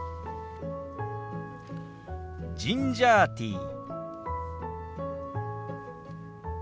「ジンジャーティー」。